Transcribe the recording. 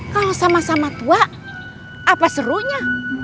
kalau sama sama tua apa serunya